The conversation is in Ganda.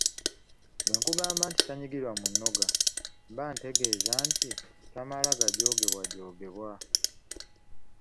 Bwe nkugamba nti "Tanyigirwa mu nnoga" mba ntegeeza nti tamala gajoogebwajoogebwa.